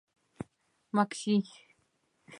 Макси!